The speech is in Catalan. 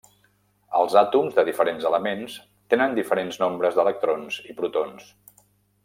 Els àtoms de diferents elements tenen diferents nombres d'electrons i protons.